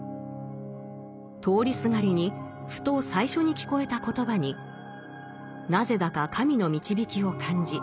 通りすがりにふと最初に聞こえた言葉になぜだか神の導きを感じ